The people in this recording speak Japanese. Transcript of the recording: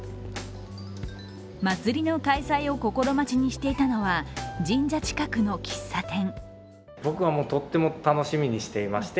まつりの開催を心待ちにしていたのは神社近くの喫茶店。